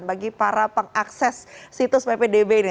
bagi para pengakses situs ppdb ini